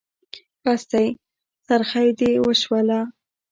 بس دی؛ څرخی دې وشوله.